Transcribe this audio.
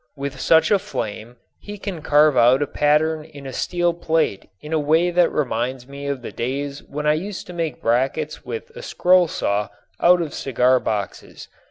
With such a flame he can carve out a pattern in a steel plate in a way that reminds me of the days when I used to make brackets with a scroll saw out of cigar boxes.